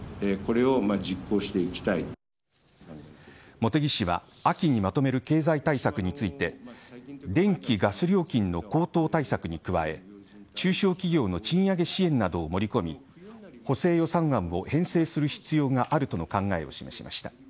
茂木氏は秋にまとめる経済対策について電気、ガス料金の高騰対策に加え中小企業の賃上げ支援などを盛り込み補正予算案を編成する必要があるとの考えを示しました。